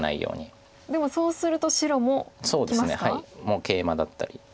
もうケイマだったり。